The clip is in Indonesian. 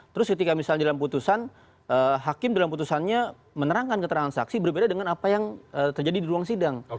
terus ketika misalnya dalam putusan hakim dalam putusannya menerangkan keterangan saksi berbeda dengan apa yang terjadi di ruang sidang